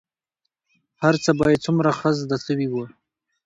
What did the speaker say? هرڅه به يې څومره ښه زده سوي وو.